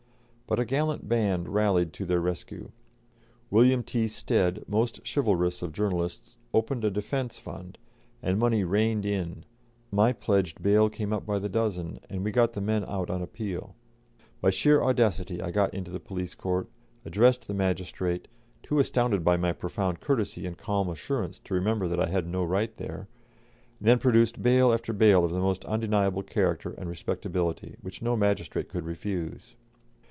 But a gallant band rallied to their rescue. William T. Stead, most chivalrous of journalists, opened a Defence Fund, and money rained in; my pledged bail came up by the dozen, and we got the men out on appeal. By sheer audacity I got into the police court, addressed the magistrate, too astounded by my profound courtesy and calm assurance to remember that I had no right there, and then produced bail after bail of the most undeniable character and respectability, which no magistrate could refuse.